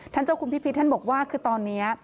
เจ้าคุณพิพิษท่านบอกว่าคือตอนนี้